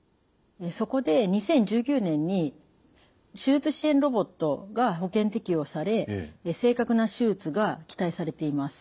そこで２０１９年に手術支援ロボットが保険適用され正確な手術が期待されています。